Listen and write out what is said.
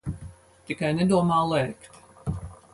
Tikai nedomā lēkt.